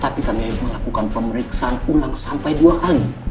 tapi kami melakukan pemeriksaan ulang sampai dua kali